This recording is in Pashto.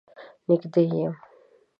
نږدې يم.